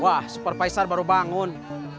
wah super paisar baru bangun